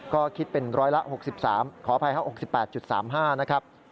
ก็คิดเป็นร้อยละ๖๓ขออภัยครับ๖๘๓๕นะครับ